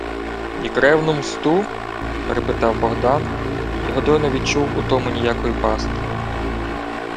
— Й кревну мсту? — перепитав Богдан, і Годой не відчув у тому ніякої пастки.